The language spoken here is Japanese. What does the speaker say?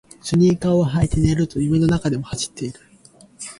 スニーカーを履いて寝ると夢の中でも走っている